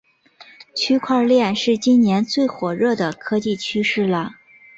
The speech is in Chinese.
区块链是今年最火热的科技趋势了